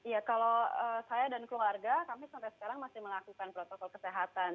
ya kalau saya dan keluarga kami sampai sekarang masih melakukan protokol kesehatan